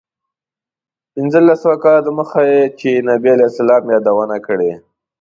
پنځلس سوه کاله دمخه چې نبي علیه السلام یادونه کړې.